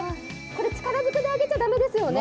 これ、力づくで上げちゃ駄目ですよね？